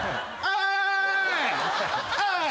おい！